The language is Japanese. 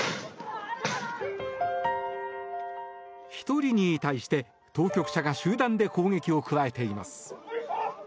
１人に対して当局者が集団で攻撃を加えています。